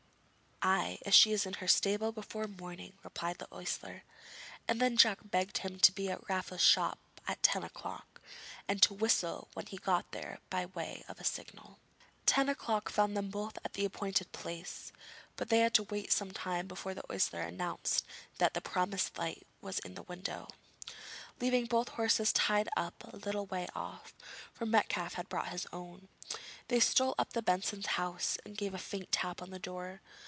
'Ay, if she is in her stable before morning,' replied the ostler; and then Jack begged him to be at Raffle's shop at ten o'clock, and to whistle when he got there by way of a signal. Ten o'clock found them both at the appointed place, but they had to wait some time before the ostler announced that the promised light was in the window. Leaving both horses tied up a little way off for Metcalfe had brought his own they stole up to the Bensons' house and gave a faint tap at the door.